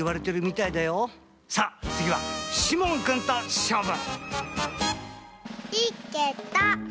さあつぎはしもんくんとしょうぶ！